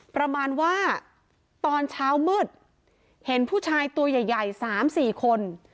ประมาณว่าตอนเช้ามืดเห็นผู้ชายตัวใหญ่๓๔คน